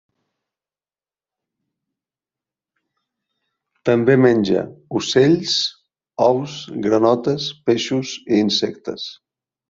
També menja ocells, ous, granotes, peixos i insectes.